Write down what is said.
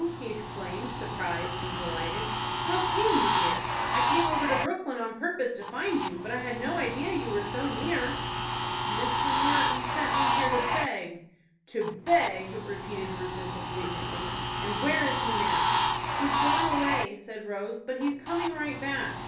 he exclaimed, surprised and delighted. "How came you here? I came over to Brooklyn on purpose to find you; but I had no idea you were so near." "Mr. Martin sent me here to beg." "To beg!" repeated Rufus, indignantly. "And where is he now?" "He's gone away," said Rose, "but he's coming right back."